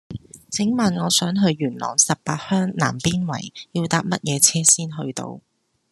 請問我想去元朗十八鄉南邊圍要搭乜嘢車先去到